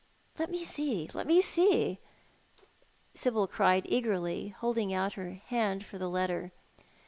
" Let me see, let me see," Sibyl cried eagerly, holding out her hand for the letter.